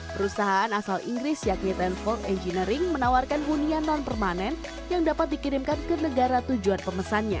perusahaan asal inggris yakni tenford engineering menawarkan hunian non permanen yang dapat dikirimkan ke negara tujuan pemesannya